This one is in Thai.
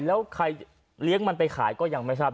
แล้วใครเลี้ยงมันไปขายก็ยังไม่ทราบ